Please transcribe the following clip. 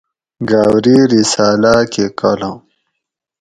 گاؤری رساۤلاۤ کہ کالام